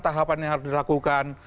tahapan yang harus dilakukan